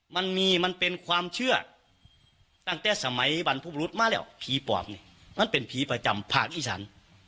มันมีมันเป็นความเชื่อตั้งแต่สมัยบรรพบรุษมาแล้วผีปอบนี่มันเป็นผีประจำผ่านอีสาน